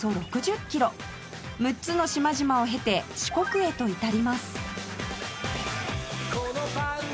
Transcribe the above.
６つの島々を経て四国へと至ります